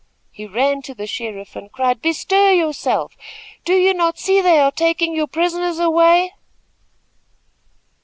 He ran to the sheriff and cried: "Bestir yourself! Do you not see they are taking your prisoners away?"